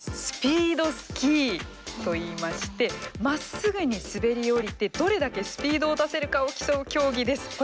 スピードスキーといいましてまっすぐに滑り降りてどれだけスピードを出せるかを競う競技です。